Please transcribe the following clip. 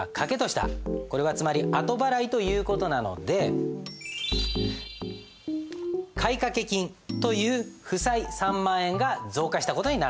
これはつまり後払いという事なので買掛金という負債３万円が増加した事になるんです。